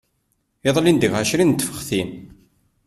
Iḍelli ndiɣ ɛecrin n tfextin.